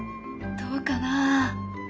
どうかな？